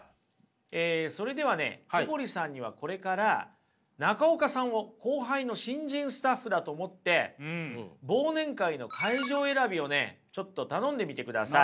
えそれではね小堀さんにはこれから中岡さんを後輩の新人スタッフだと思って忘年会の会場選びをねちょっと頼んでみてください。